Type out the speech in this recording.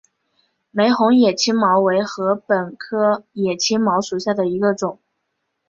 玫红野青茅为禾本科野青茅属下的一个种。